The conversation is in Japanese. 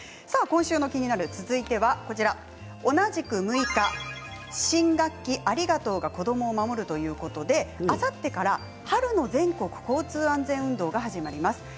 今週の「キニナル」続いては同じく６日「新学期“ありがとう”が子どもを守る」ということであさってから春の全国交通安全運動が始まります。